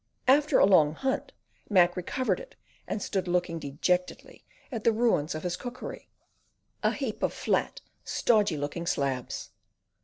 After a long hunt Mac recovered it and stood looking dejectedly at the ruins of his cookery—a heap of flat, stodgy looking slabs.